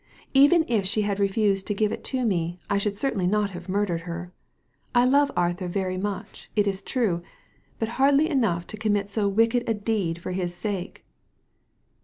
Even if she had refused to give it to me I should certainly not have murdered her. I love Arthur very much, it is true, but hardly enough to commit so wicked a deed for his sake."